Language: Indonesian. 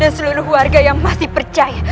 dan seluruh warga yang masih percaya